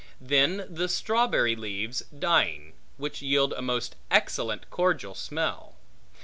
Then the strawberry leaves dying, which yield a most excellent cordial smell.